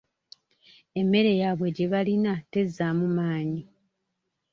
Emmere yaabwe gye balina tezzaamu maanyi.